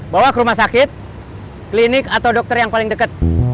bawa ke rumah sakit klinik atau dokter yang paling dekat